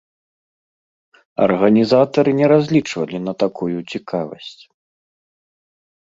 Арганізатары не разлічвалі на такую цікавасць.